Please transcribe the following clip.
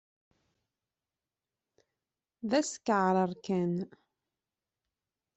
D askeɛrer kan!